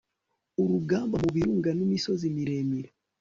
urugamba mu birunga n'imisozi miremire